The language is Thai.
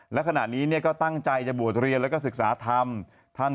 แล้วขณะนี้เนี่ยก็ตั้งใจจะบวชเรียนแล้วก็ศึกษาธรรมท่าน